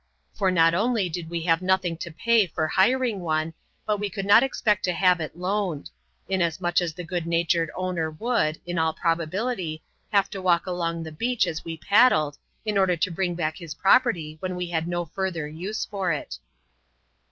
For not only did we hate nothing to pay for hiring one, but we could not expect to have It loaned ; inasmuch as the good natured owner would, in all probability, have to walk along the beach as we paddled, in order to bring back his property when we had no further use for it.